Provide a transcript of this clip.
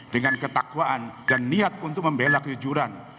dengan ketakwaan dan niat untuk membela kejujuran